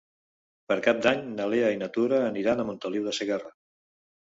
Per Cap d'Any na Lea i na Tura aniran a Montoliu de Segarra.